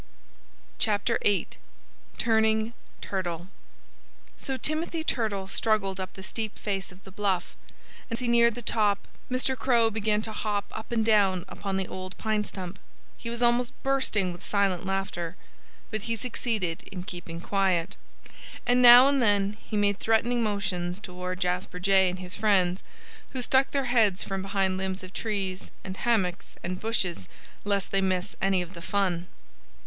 VIII TURNING TURTLE So Timothy Turtle struggled up the steep face of the bluff. And as he neared the top Mr. Crow began to hop up and down upon the old pine stump. He was almost bursting with silent laughter. But he succeeded in keeping quiet. And now and then he made threatening motions toward Jasper Jay and his friends, who stuck their heads from behind limbs of trees and hummocks and bushes, lest they miss any of the fun.